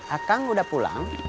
akang udah pulang